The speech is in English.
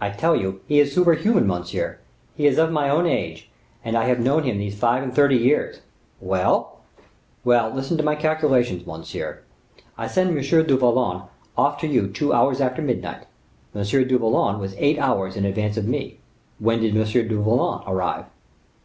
"I tell you, he is superhuman, monsieur. He is of my own age, and I have known him these five and thirty years." "Well?" "Well, listen to my calculation, monsieur. I send M. du Vallon off to you two hours after midnight. M. du Vallon was eight hours in advance of me; when did M. du Vallon arrive?"